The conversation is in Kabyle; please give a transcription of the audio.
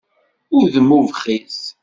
Udem ubxiṣ.